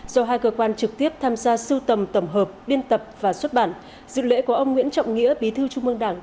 do hai cơ quan trực tiếp tham gia sưu tầm tầm hợp biên tập và xuất bản dự lễ của ông nguyễn trọng nghĩa bí thư trung ương đảng